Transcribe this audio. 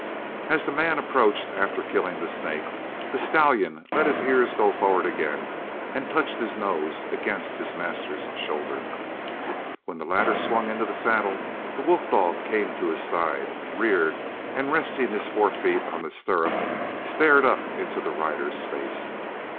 As the man approached after killing the snake the stallion let his ears go forward again and touched his nose against his master's shoulder. When the latter swung into the saddle, the wolf dog came to his side, reared, and resting his forefeet on the stirrup stared up into the rider's face.